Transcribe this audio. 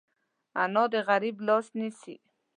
انا د غریب لاس نیسي